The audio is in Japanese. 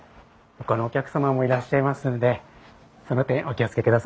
ほかのお客様もいらっしゃいますのでその点お気を付けください。